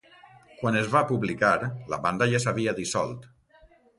Quan es va publicar la banda ja s'havia dissolt.